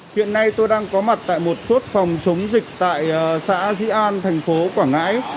hiện nay tôi đang có mặt tại một chốt phòng chống dịch tại xã dĩ an thành phố quảng ngãi